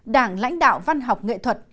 đảng lãnh đạo văn học nghệ thuật